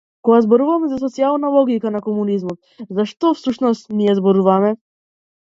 Кога зборуваме за социјална логика на комунизмот, за што, всушност, ние зборуваме?